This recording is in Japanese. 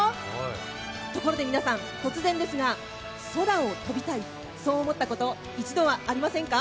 ところで皆さん、突然ですが空を飛びたい、そう思ったこと一度はありませんか？